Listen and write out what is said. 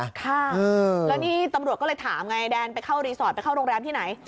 ค่ะแล้วนี่ตำรวจก็เลยถามไงแดนไปเข้ารีสอร์ทไปเข้าโรงแรมที่ไหน